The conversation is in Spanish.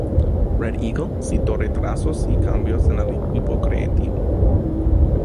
Red Eagle citó retrasos y cambios en el equipo creativo.